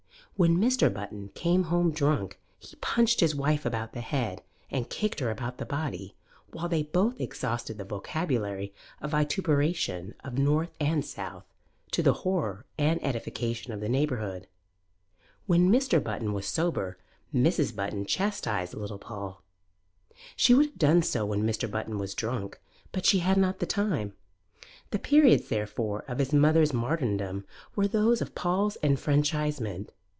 When Mr. Button came home drunk he punched his wife about the head and kicked her about the body, while they both exhausted the vocabulary of vituperation of North and South, to the horror and edification of the neighbourhood. When Mr. Button was sober Mrs. Button chastised little Paul. She would have done so when Mr. Button was drunk, but she had not the time. The periods, therefore, of his mother's martyrdom were those of Paul's enfranchisement.